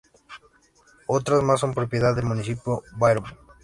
Otras más son propiedad del municipio de Bærum.